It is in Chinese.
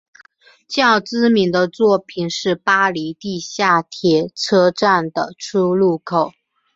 较知名的作品是巴黎地下铁车站的出入口。